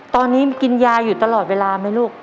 ตอนนี้กินยาอยู่ตลอดเวลาไหมลูก